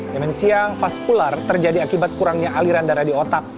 demensia vaskular terjadi akibat kurangnya aliran darah di otak